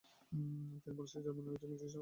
তিনি বাংলাদেশে জন্ম নেওয়া একজন ব্রিটিশ নাগরিক।